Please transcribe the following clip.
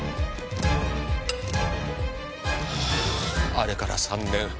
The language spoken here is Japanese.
あれから３年。